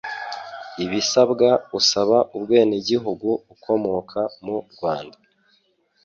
Ibisabwa usaba ubwenegihugu ukomoka mu Rwanda